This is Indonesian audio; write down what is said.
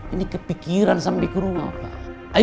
ini kepikiran sampai keruna pak